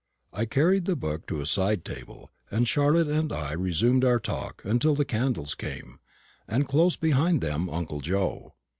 I carried the book to a side table, and Charlotte and I resumed our talk until the candles came, and close behind them uncle Joe.